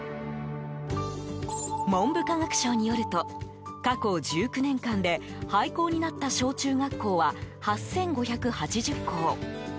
文部科学省によると過去１９年間で廃校になった小中学校は８５８０校。